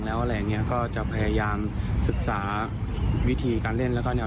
แล้วอะไรอย่างเงี้ยก็จะพยายามศึกษาวิธีการเล่นแล้วก็เนี่ย